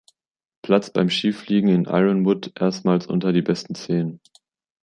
Platz beim Skifliegen in Ironwood erstmals unter die besten zehn.